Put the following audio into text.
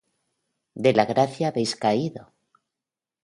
de la gracia habéis caído.